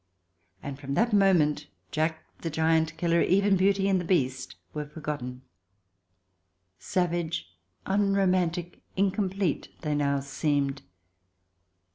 And from that moment, "Jack the Giant Killer," even " Beauty and the Beast," were forgotten ; savage, unromantic, incomplete, they now seemed.